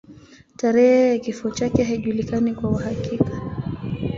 Tarehe ya kifo chake haijulikani kwa uhakika.